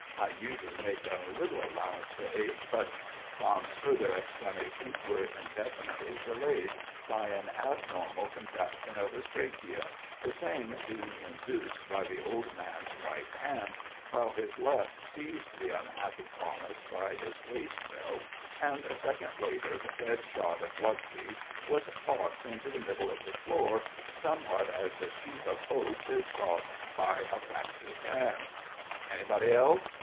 I usually make a little allowance for age, but " Tom's further explanations were indefinitely delayed by an abnormal contraction of his trachea, the same being induced by the old man's right hand, while his left seized the unhappy Thomas by his waist belt, and a second later the dead shot of Blugsey's was tossed into the middle of the floor, somewhat as a sheaf of oats is tossed by a practiced hand. "Anybody else?"